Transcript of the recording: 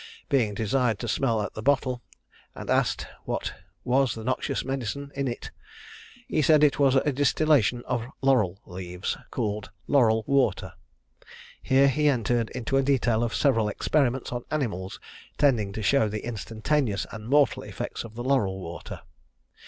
Being desired to smell at the bottle, and asked what was the noxious medicine in it, he said it was a distillation of laurel leaves, called laurel water. Here he entered into a detail of several experiments on animals, tending to show the instantaneous and mortal effects of the laurel water.